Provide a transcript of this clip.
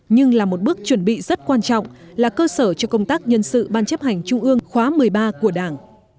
nhưng là một bước chuẩn bị rất quan trọng là cơ sở cho công tác nhân sự ban chấp hành trung ương khóa một mươi ba của đảng